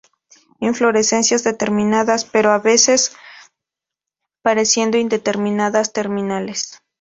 Inflorescencias determinadas, pero a veces pareciendo indeterminadas, terminales.